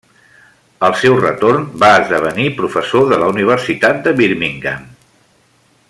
Al seu retorn va esdevenir professor de la Universitat de Birmingham.